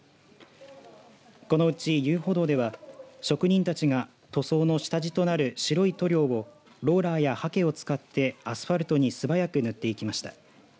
このうち遊歩道では職人たちが塗装の下地となる白い塗料をローラーやはけを使ってアスファルトに素早く塗っていきました。